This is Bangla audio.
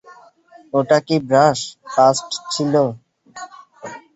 ওটা কি ব্রাশ-পাস্ট ছিল?